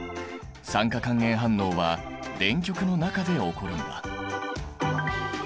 酸化還元反応は電極の中で起こるんだ。